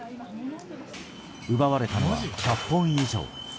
奪われたのは１００本以上。